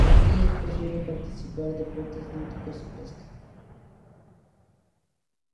Allí es posible practicar deportes náuticos y pesca.